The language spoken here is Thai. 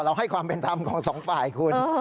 ให้ความเป็นธรรมของสองฝ่ายคุณ